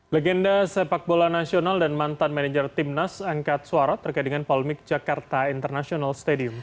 legenda sepak bola nasional dan mantan manajer timnas angkat suara terkait dengan polemik jakarta international stadium